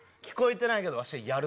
聞こえてないけど。